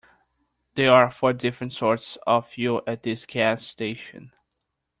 There are four different sorts of fuel at this gas station.